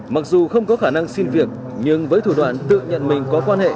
mặc dù không có khả năng xin việc nhưng với thủ đoạn tự nhận mình có quan hệ